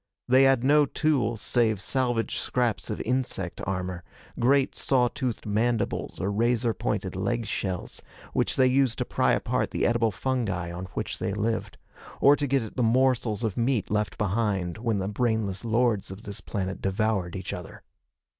They had no tools save salvaged scraps of insect armor great sawtoothed mandibles or razor pointed leg shells which they used to pry apart the edible fungi on which they lived, or to get at the morsels of meat left behind when the brainless lords of this planet devoured each other.